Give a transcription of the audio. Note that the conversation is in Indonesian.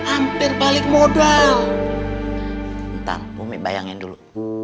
ampir balik modal entar umi bayangin dulu